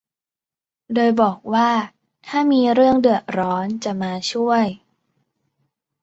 โดยบอกว่าถ้ามีเรื่องเดือดร้อนจะมาช่วย